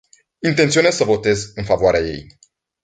Intenționez să votez în favoarea ei.